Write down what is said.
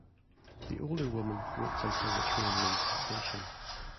The older woman waits until the train leaves the station.